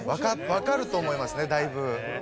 わかると思いますねだいぶ。